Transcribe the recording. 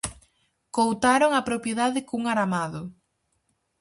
Coutaron a propiedade cun aramado.